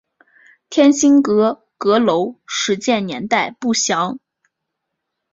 天心阁阁楼始建年代不详。